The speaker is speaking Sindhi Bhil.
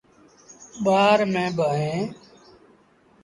ٻآ رميݩ با اوهيݩ۔